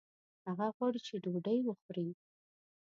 هغه غواړي چې ډوډۍ وخوړي